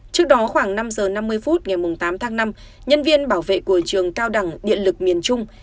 trước đó khoảng năm giờ năm mươi phút ngày tám tháng năm nhân viên bảo vệ của trường cao đẳng điện lực miền trung